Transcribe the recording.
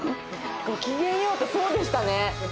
『ごきげんよう』ってそうでしたね。